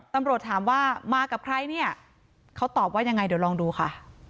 ตำรวจถามว่ามากับใครเนี่ยเขาตอบว่ายังไงเดี๋ยวลองดูค่ะ